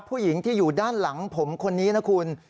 ผู้หญิงที่อยู่ด้านหลังผมคนนี้นะคุณ